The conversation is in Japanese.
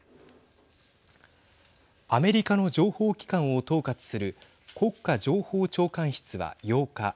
アメリカの情報機関を統括する国家情報長官室は８日